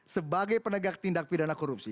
sebagai penegak tindak pidana korupsi